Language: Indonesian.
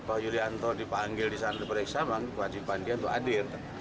pak yulianto dipanggil di sana beriksa wajiban dia untuk adil